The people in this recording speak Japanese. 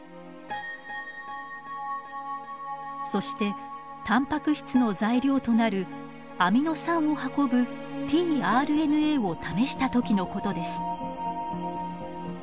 そしてタンパク質の材料となるアミノ酸を運ぶｔＲＮＡを試した時のことです。